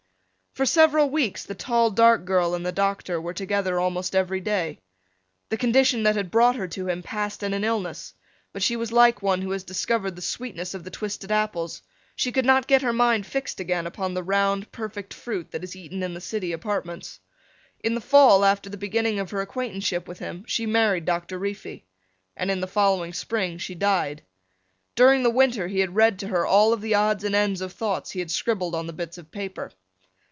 For several weeks the tall dark girl and the doctor were together almost every day. The condition that had brought her to him passed in an illness, but she was like one who has discovered the sweetness of the twisted apples, she could not get her mind fixed again upon the round perfect fruit that is eaten in the city apartments. In the fall after the beginning of her acquaintanceship with him she married Doctor Reefy and in the following spring she died. During the winter he read to her all of the odds and ends of thoughts he had scribbled on the bits of paper.